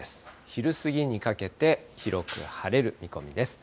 昼過ぎにかけて、広く晴れる見込みです。